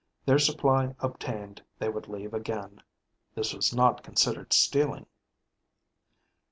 Their supply obtained, they would leave again. This was not considered stealing.